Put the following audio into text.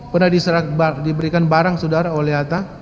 pernah diberikan barang sudara oleh hatta